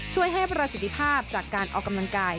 ช่วยให้ประสิทธิภาพจากการออกกำลังกาย